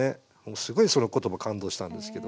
すごいその言葉感動したんですけど。